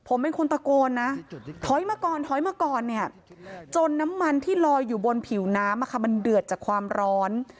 ผมเป็นคนตะโกนนะถอยมาก่อนถอยมาก่อนเนี่ยจนน้ำมันที่ลอยอยู่บนผิวน้ำมันเดือดจากความร้อน